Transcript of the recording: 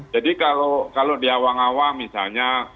jadi kalau di awal awal misalnya